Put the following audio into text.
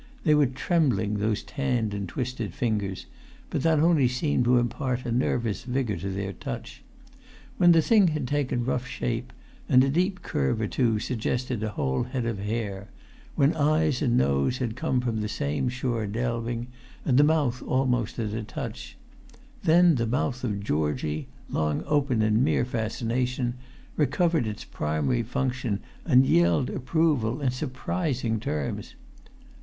They were trembling, those tanned and twisted fingers, but that only seemed to impart a nervous vigour to their touch. When the thing had taken rough shape, and a deep curve or two suggested a whole head of hair; when eyes and nose had come from the same sure delving, and the mouth almost at a touch; then the mouth of Georgie, long open in mere fascination, recovered its primary function, and yelled approval in surprising terms.